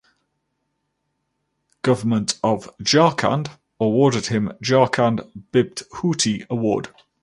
Government of Jharkhand awarded him Jharkhand Bibhuti Award.